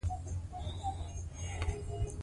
دوی باید اور بل کړی وای.